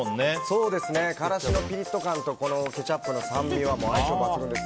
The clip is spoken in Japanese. そうですね、辛子のピリッと感とケチャップの酸味は相性抜群です。